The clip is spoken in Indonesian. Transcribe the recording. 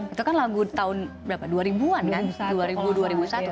itu kan lagu tahun berapa dua ribu an kan